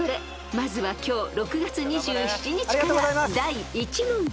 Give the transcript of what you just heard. まずは今日６月２７日から第１問］